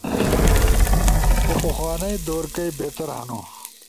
خو پخوانئی دور کئی بہتر ہنو۔